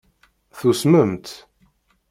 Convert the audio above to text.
Tusmemt?